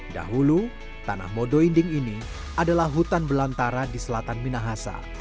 dahulu tanah modo inding ini adalah hutan belantara di selatan minahasa